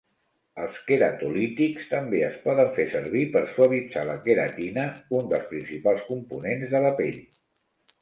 Els queratolítics també es poden fer servir per suavitzar la queratina, un dels principals components de la pell.